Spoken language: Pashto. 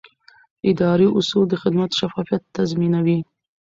اداري اصول د خدمت شفافیت تضمینوي.